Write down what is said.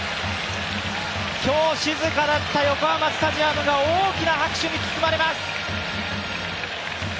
今日静かだった横浜スタジアムが大きな拍手に包まれます。